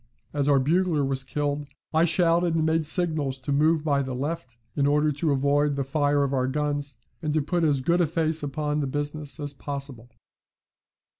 As our bugler was killed, I shouted and made signals to move by the left, in order to avoid the fire of our guns, and to put as good a face upon the business as possible.